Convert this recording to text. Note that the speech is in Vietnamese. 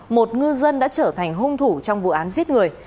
một ngư dân đã trở thành hung thủ trong vụ án giết người